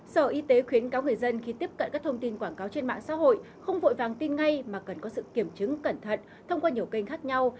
sở y tế khuyến cáo người dân khi tiếp cận các thông tin quảng cáo trên mạng xã hội không vội vàng tin ngay mà cần có sự kiểm chứng cẩn thận thông qua nhiều kênh khác nhau